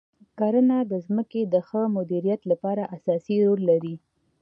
کرنه د ځمکې د ښه مدیریت لپاره اساسي رول لري.